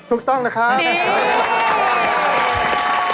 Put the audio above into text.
ถูกต้องนะครับ